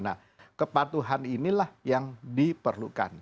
nah kepatuhan inilah yang diperlukan